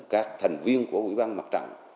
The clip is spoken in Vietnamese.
các thành viên của quỹ ban mặt trận